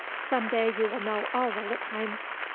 Some day you will know all the Lippheims."